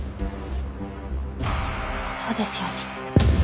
そうですよね。